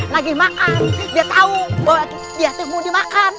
lagi makan dia tahu bahwa diatimu dimakan